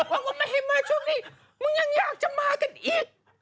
ก็ไม่ให้มาช่วงนี้มึงยังอยากจะมากันอีก